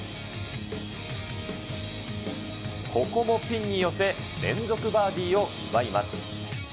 ここもピンに寄せ、連続バーディーを奪います。